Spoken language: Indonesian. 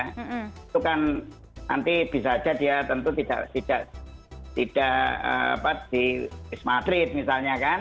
itu kan nanti bisa saja dia tentu tidak di wisma atlet misalnya kan